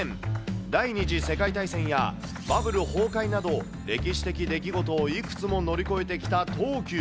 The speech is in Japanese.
第２次世界大戦や、バブル崩壊など、歴史的出来事をいくつも乗り越えてきた東急。